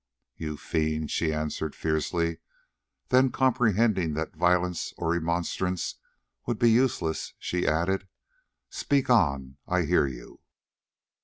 "You fiend," she answered fiercely; then comprehending that violence or remonstrance would be useless, she added, "Speak on, I hear you."